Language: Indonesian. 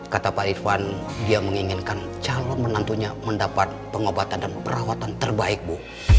kata pak irfan dia menginginkan calon menantunya mendapat pengobatan dan perawatan terbaik bu